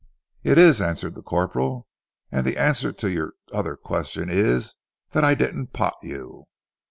"It is," answered the corporal, "and the answer to your other question is that I didn't pot you."